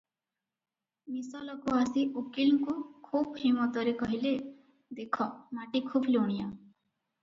ମିସଲକୁ ଆସି ଉକୀଲଙ୍କୁ ଖୁବ୍ ହେମତରେ କହିଲେ, "ଦେଖ, ମାଟି ଖୁବ୍ ଲୁଣିଆ ।"